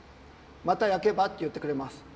「また焼けば」って言ってくれます。